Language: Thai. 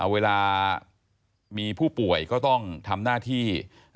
เวลามีผู้ป่วยก็ต้องทำหน้าที่